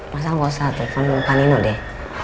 masa nggak usah telepon pak nino deh